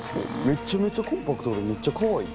めちゃめちゃコンパクトでめっちゃかわいい。